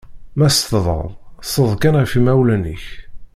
Ma teṣṣdeḍ, ṣṣed kan ɣef imawlan-ik!